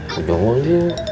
aku jauh lagi